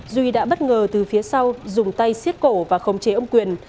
duy đã bất ngờ từ phía sau dùng tay xiết cổ và khống chế ông quyền